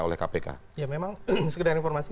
oleh kpk ya memang sekedar informasi